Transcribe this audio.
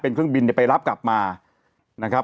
เป็นเครื่องบินเนี่ยไปรับกลับมานะครับ